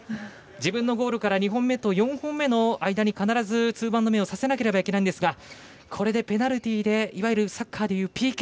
自分のゴールから２本目と４本目の間に必ずツーバウンド目をさせなければいけないんですがこれでペナルティーでいわゆるサッカーでいうＰＫ。